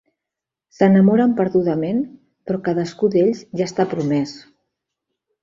S'enamoren perdudament, però cadascú d'ells ja està promès.